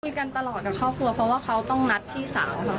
กันตลอดกับครอบครัวเพราะว่าเขาต้องนัดพี่สาวเรา